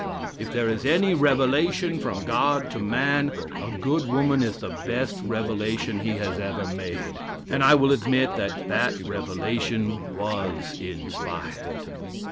If there is any revelation from God to man, a good woman is the best revelation he has ever made; and I will admit that that revelation was inspired.